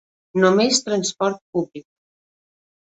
Només transport públic.